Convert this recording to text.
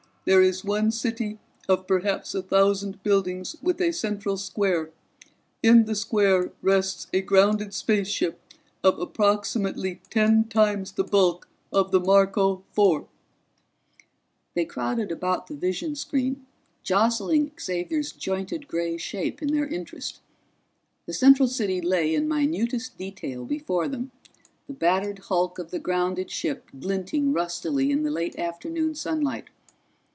There is one city of perhaps a thousand buildings with a central square. In the square rests a grounded spaceship of approximately ten times the bulk of the Marco Four." They crowded about the vision screen, jostling Xavier's jointed gray shape in their interest. The central city lay in minutest detail before them, the battered hulk of the grounded ship glinting rustily in the late afternoon sunlight.